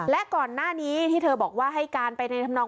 และก่อนหน้านี้ที่เธอบอกว่าให้การไปในธรรมนอ